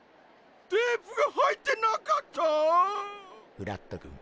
フラットくん。